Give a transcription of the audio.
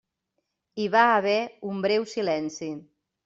Hi va haver un breu silenci.